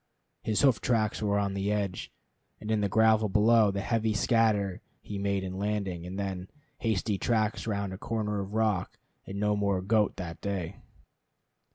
His hoof tracks were on the edge, and in the gravel below the heavy scatter he made in landing; and then, hasty tracks round a corner of rock, and no more goat that day.